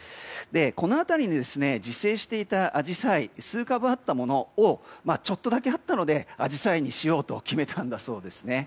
この辺りに自生していたアジサイ数株あったものをちょっとだけあったのでアジサイにしようと決めたんだそうですね。